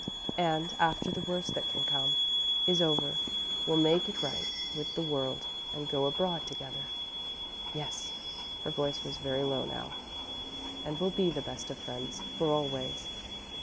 "And after the worst that can come is over, we'll make it right with the world and go abroad together?" "Yes." Her voice was very low now. "And we'll be the best of friends, for always?"